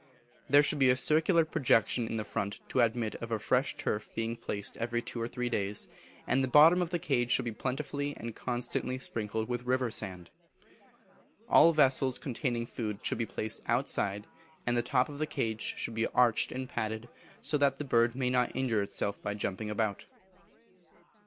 There should be a circular projection in front to admit of a fresh turf being placed every two or three days, and the bottom of the cage should be plentifully and constantly sprinkled with river sand. All vessels containing food should be placed outside, and the top of the cage should be arched and padded, so that the bird may not injure itself by jumping about.